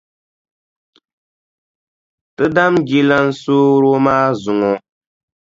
Ti dami jilansooro maa zuŋɔ.